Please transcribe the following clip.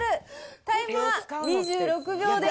タイムは２６秒です。